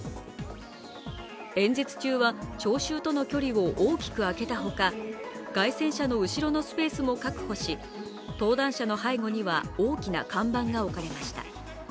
演説中は聴衆との距離を大きくあけたほか、街宣車の後ろのスペースも確保し、登壇者の背後には大きな看板が置かれました。